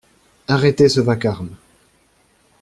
Arrêtez ce vacarme!